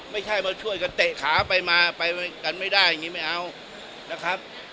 ไม่ใช่มาช่วยกันเตะขาไปมาไปกันไม่ได้อย่างนี้ไม่เอานะครับ